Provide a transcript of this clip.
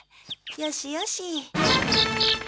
よしよし。